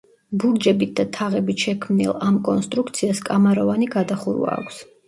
ბურჯებით და თაღებით შექმნილ ამ კონსტრუქციას კამაროვანი გადახურვა აქვს.